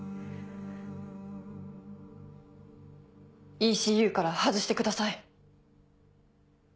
ＥＣＵから外してください。